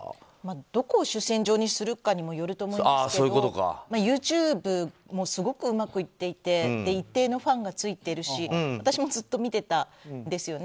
どこを主戦場にするかにもよると思いますけどＹｏｕＴｕｂｅもすごくうまくいっていて一定のファンがついているし私もずっと見てたんですよね。